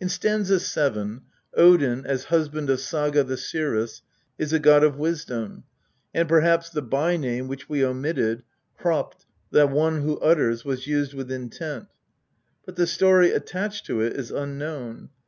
In st. 7 Odin, as husband of Saga the seeress, is a god of wisdom, and perhaps the by name which we omitted, Hr6pt, the One who Utters, was used with intent. But the story attached to it is unknown.